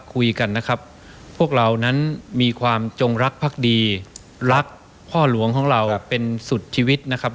คุยกันนะครับพวกเรานั้นมีความจงรักพักดีรักพ่อหลวงของเราเป็นสุดชีวิตนะครับ